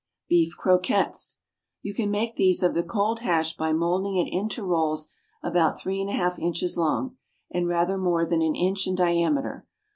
Beef Croquettes. You can make these of the cold hash by moulding it into rolls about three and a half inches long, and rather more than an inch in diameter.